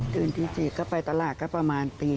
ตื่นตี๗ก็ไปตลาดก็ประมาณตี๕